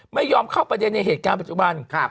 ไม่ยอมเข้าประเด็นในเหตุการณ์ปัจจุบัน